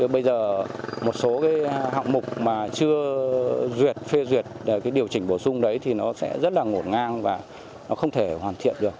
bây giờ một số hạng mục mà chưa phê duyệt điều chỉnh bổ sung đấy thì nó sẽ rất là ngổn ngang và không thể hoàn thiện được